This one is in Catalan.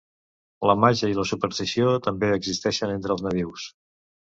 La màgia i la superstició també existien entre els nadius.